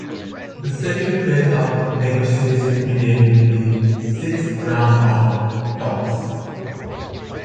The second phase of negotiations began with the sixth round of talks.